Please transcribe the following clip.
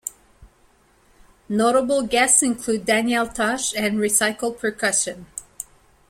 Notable guests include Daniel Tosh and Recycled Percussion.